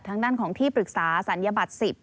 ทางด้านของที่ปรึกษาศัลยบัตร๑๐